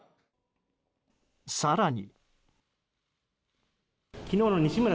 更に。